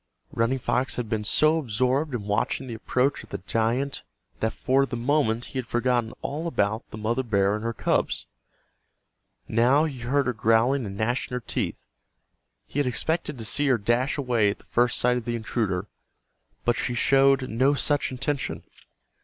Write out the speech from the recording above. Running Fox had been so absorbed in watching the approach of the giant that for the moment he had forgotten all about the mother bear and her cubs. Now he heard her growling and gnashing her teeth. He had expected to see her dash away at the first sight of the intruder, but she showed no such intention.